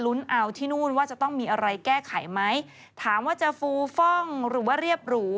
เอาที่นู่นว่าจะต้องมีอะไรแก้ไขไหมถามว่าจะฟูฟ่องหรือว่าเรียบหรู